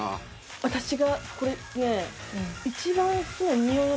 私がこれねえ。